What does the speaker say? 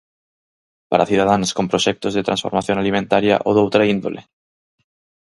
Para cidadáns con proxectos de transformación alimentaria ou doutra índole?